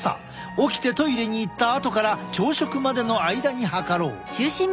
起きてトイレに行ったあとから朝食までの間に測ろう。